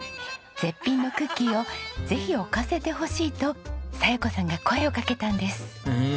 絶品のクッキーをぜひ置かせてほしいと佐代子さんが声をかけたんです。